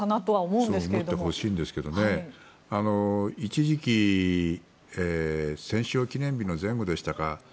そう思ってほしいですけど一時期、戦勝記念日の前後でしたかね